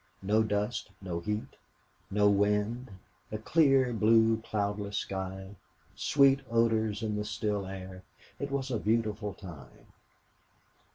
No dust, no heat, no wind a clear, blue, cloudless sky, sweet odors in the still air it was a beautiful time.